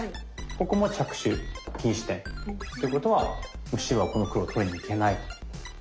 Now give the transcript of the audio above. ここも着手禁止点。ということは白はこの黒を取りにいけないと。